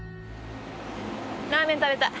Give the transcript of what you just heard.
ラーメン食べたい。